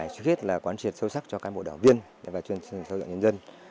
trước hết là quán triển sâu sắc cho các bộ đảo viên và chuyên sâu dựng nhân dân